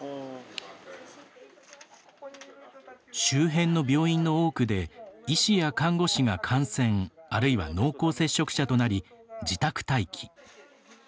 周辺の病院の多くで医師や看護師が感染あるいは濃厚接触者となり自宅待機。